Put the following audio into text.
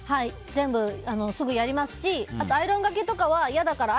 全部、すぐやりますしアイロンがけとかは嫌だから